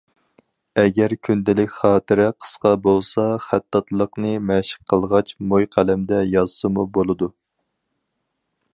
ئەگەر كۈندىلىك خاتىرە قىسقا بولسا، خەتتاتلىقنى مەشىق قىلغاچ موي قەلەمدە يازسىمۇ بولىدۇ.